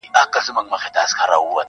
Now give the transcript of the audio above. ګرم مي و نه بولی چي شپه ستایمه .